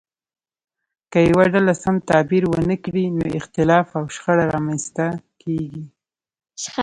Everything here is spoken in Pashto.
که یوه ډله سم تعبیر ونه کړي نو اختلاف او شخړه رامنځته کیږي.